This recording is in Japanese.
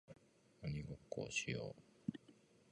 鬼ごっこをしよう